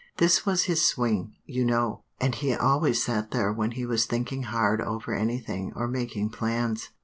This was his swing, you know; and he always sat there when he was thinking hard over anything, or making plans.